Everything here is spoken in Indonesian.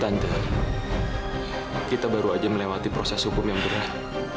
tante kita baru saja melewati proses hukum yang berat